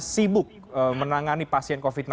sibuk menangani pasien covid sembilan belas